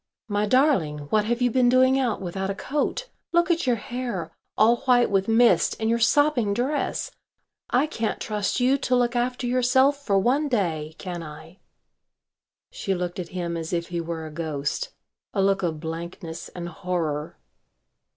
"My darling, what have you been doing out without a coat? Look at your hair all white with mist and your sopping dress. I can't trust you to look after yourself for one day, can I?" She looked at him as if he were a ghost. A look of blankness and horror.